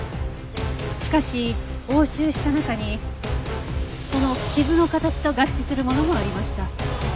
しかし押収した中にその傷の形と合致するものもありました。